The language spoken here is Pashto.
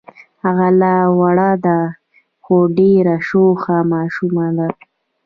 هغه لا وړه ده خو ډېره شوخه ماشومه ده.